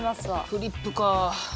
フリップか。